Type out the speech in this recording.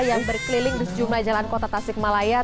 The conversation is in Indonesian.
yang berkeliling di sejumlah jalan kota tasik malaya